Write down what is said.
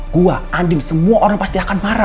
gue andien semua orang pasti akan marah